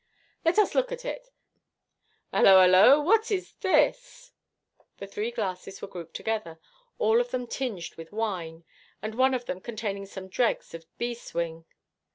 'Let us look at it. Halloa, halloa! What is this?' The three glasses were grouped together, all of them tinged with wine, and one of them containing some dregs of beeswing.